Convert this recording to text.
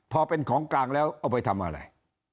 พอเป็นของกลางแล้วเอาไปทำอะไร